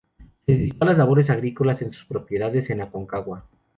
Se dedicó a las labores agrícolas en sus propiedades en Aconcagua.